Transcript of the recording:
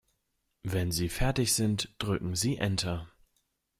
Wenn Sie fertig sind, drücken Sie Enter.